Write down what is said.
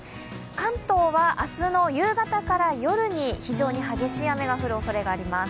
関東は明日の夕方から夜に非常に激しい雨が降るおそれがあります。